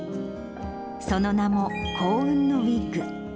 その名も、幸運のウイッグ。